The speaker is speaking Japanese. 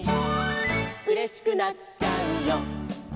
「うれしくなっちゃうよ」